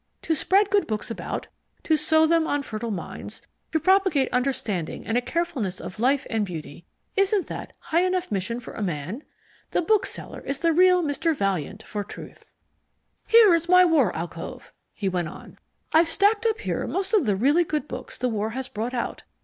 To spread good books about, to sow them on fertile minds, to propagate understanding and a carefulness of life and beauty, isn't that high enough mission for a man? The bookseller is the real Mr. Valiant For Truth. "Here's my War alcove," he went on. "I've stacked up here most of the really good books the War has brought out.